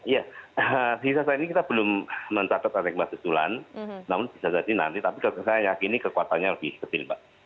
ya bisa saya ini kita belum mencatat ada gempa susulan namun bisa jadi nanti tapi saya yakin ini kekuatannya lebih kecil pak